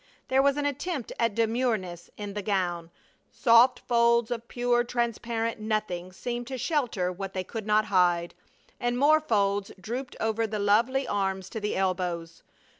There was an attempt at demureness in the gown; soft folds of pure transparent nothing seemed to shelter what they could not hide, and more such folds drooped over the lovely arms to the elbows.